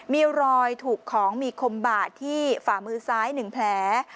มีรอยถูกของมีคมบาดที่ฝ่ามือซ้าย๑แผล